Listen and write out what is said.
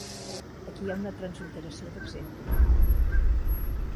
Aquí hi ha una transliteració d'exemple.